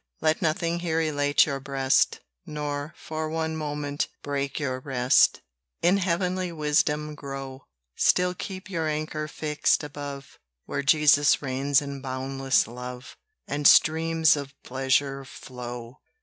Let nothing here elate your breast, Nor, for one moment, break your rest, In heavenly wisdom grow: Still keep your anchor fixed above, Where Jesus reigns in boundless love, And streams of pleasure flow.